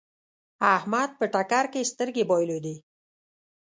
احمد په ټکر کې سترګې بايلودې.